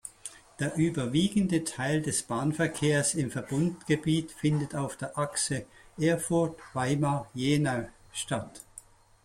Der überwiegende Teil des Bahnverkehrs im Verbundgebiet findet auf der Achse Erfurt–Weimar–Jena statt.